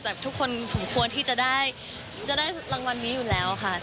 แต่ทุกคนสมควรที่จะได้รางวัลนี้อยู่แล้วค่ะ